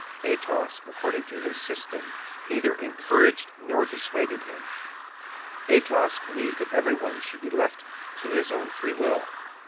Athos, according to his system, neither encouraged nor dissuaded him. Athos believed that everyone should be left to his own free will.